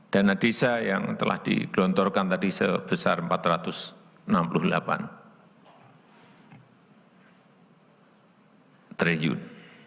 dana desa yang telah digelontorkan tadi sebesar rp empat ratus enam puluh delapan triliun